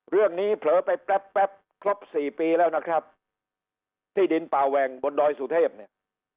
เรื่องนี้เผลอไปแป๊บครบ๔ปีแล้วนะครับที่ดินป่าแหวงบนด้อยสุเทพฯเนี่ย